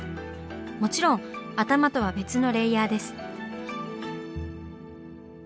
もちろん頭とは別のレイヤーです。